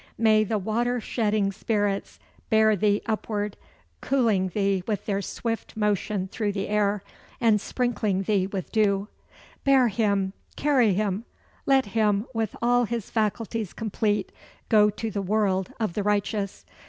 "May the water shedding Spirits bear thee upward, cooling thee with their swift motion through the air, and sprinkling thee with dew." "Bear him, carry him; let him, with all his faculties complete, go to the world of the righteous.